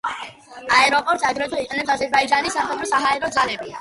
აეროპორტს აგრეთვე იყენებს აზერბაიჯანის სამხედრო-საჰაერო ძალები.